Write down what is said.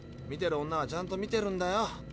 見てる女はちゃんと見てるんだよ。